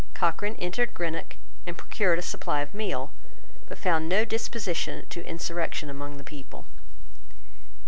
Cochrane entered Greenock and procured a supply of meal, but found no disposition to insurrection among the people.